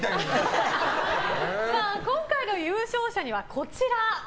今回の優勝者にはこちら。